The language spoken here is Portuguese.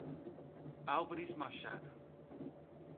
Álvares Machado